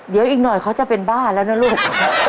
เดี๋ยวอีกหน่อยเขาจะเป็นบ้าแล้วนะลูก